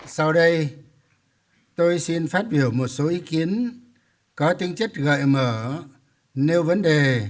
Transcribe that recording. sau đây tôi xin phát biểu một số ý kiến có tinh chất gợi mở nếu vấn đề